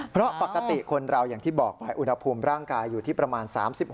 เพราะปกติคนเราอย่างที่บอกไปอุณหภูมิร่างกายอยู่ที่ประมาณ๓๖